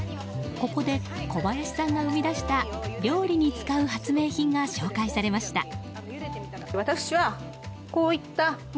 ここでこばやしさんが生み出した料理に使う発明品が紹介されました。